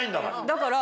だから。